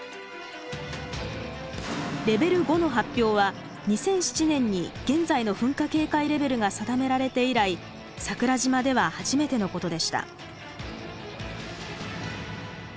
レベル５の発表は２００７年に現在の噴火警戒レベルが定められて以来桜島では初めてのことでした。